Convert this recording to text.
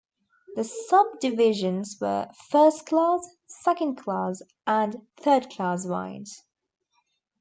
The subdivisions were: first-class, second-class and third-class wines.